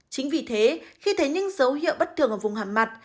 chính vì thế khi thấy những dấu hiệu bất thường ở vùng hàm mặt